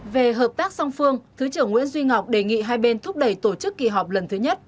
về hợp tác song phương thứ trưởng nguyễn duy ngọc đề nghị hai bên thúc đẩy tổ chức kỳ họp lần thứ nhất